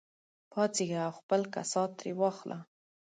پاڅېږه او خپل کسات ترې واخله.